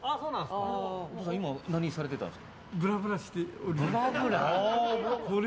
何されてたんですか？